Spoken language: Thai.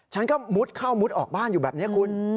ฉันก็มุดเข้ามุดออกบ้านอยู่แบบนี้คุณ